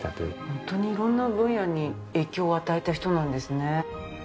ホントに色んな分野に影響を与えた人なんですね。